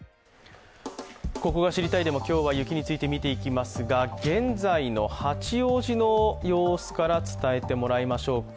「ここが知りたい！」でも今日は雪について見ていきますが現在の八王子の様子から伝えてもらいましょうか。